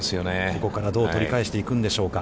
ここからどう取り返していくんでしょうか。